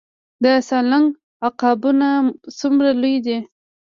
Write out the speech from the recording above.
د سالنګ عقابونه څومره لوی دي؟